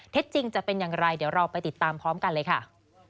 จริงจะเป็นอย่างไรเดี๋ยวเราไปติดตามพร้อมกันเลยค่ะ